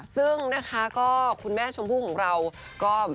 ซึ่งนะคะก็คุณแม่ชมพู่ของเราก็